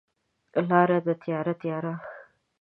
لاره ده تیاره، تیاره